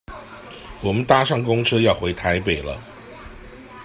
我們搭上公車要回台北了